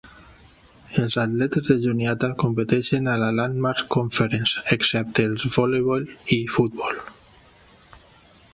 Els atletes de Juniata competeixen a la Landmark Conference, excepte els de voleibol i futbol.